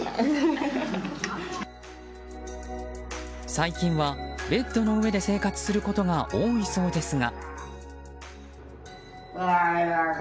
最近はベッドの上で生活することが多いそうですが。